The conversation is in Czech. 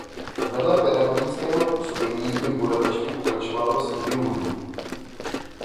Vedle pedagogického působení i v Budapešti pokračoval ve studiu hudby.